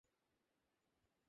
এটা ধর, জলদি আয়।